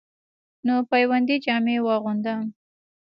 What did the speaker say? نو پیوندي جامې واغوندۀ،